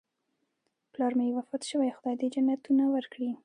پلار مې وفات شوی، خدای دې جنتونه ورکړي